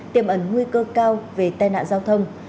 tiềm ẩn nguy cơ cao về tai nạn giao thông